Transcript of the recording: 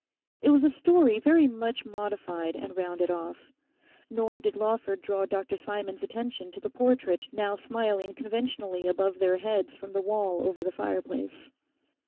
It was a story very much modified and rounded off. Nor did Lawford draw Dr Simon's attention to the portrait now smiling conventionally above their heads from the wall over the fireplace.